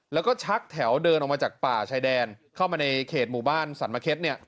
แล้วฉักแถวเดินออกมาจากป่าชายแดนเข้ามาในเขตป่าบ้านสรรมเข็ด